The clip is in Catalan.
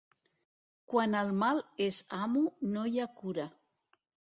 Quan el mal és amo no hi ha cura.